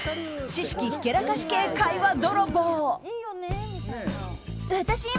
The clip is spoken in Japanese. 知識ひけらかし系会話泥棒。